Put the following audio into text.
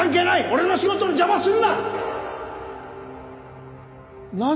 俺の仕事の邪魔するな！